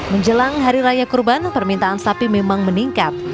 menjelang hari raya kurban permintaan sapi memang meningkat